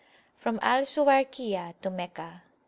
FROM AL SUWAYRKIYAH TO MECCAH.